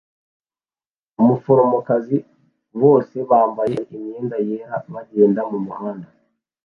Umuforomokazi bose bambaye imyenda yera bagenda mumuhanda